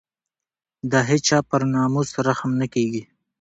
د هېچا پر ناموس رحم نه کېږي.